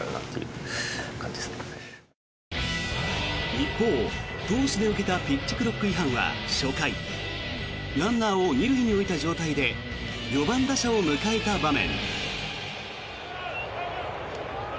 一方、投手で受けたピッチクロック違反は初回ランナーを２塁に置いた状態で４番打者を迎えた場面。